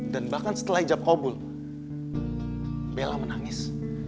dan bahkan setelah hijab obul bella menangis